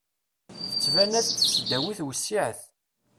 Tettban-as-d tesdawit wessiɛet.